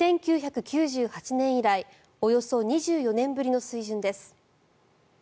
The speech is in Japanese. １９９８年以来およそ２４年ぶりの水準です。